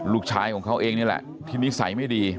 ลูกชายของเขาเองนี่แหละที่นิสัยไม่ดี